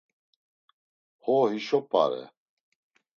Ho. Hişo p̌are.